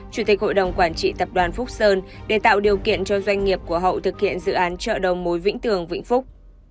chủ tịch hội đồng quản trị tập đoàn phúc sơn để tạo điều kiện cho doanh nghiệp của hậu thực hiện dự án chợ đầu mối vĩnh tường vĩnh phúc